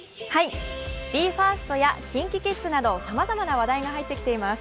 ＢＥ：ＦＩＲＳＴやＫｉｎＫｉＫｉｄｓなどさまざまな話題が入ってきています。